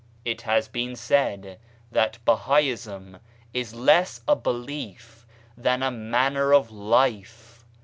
It has been said that Bahaism is less a belief than a manner of life.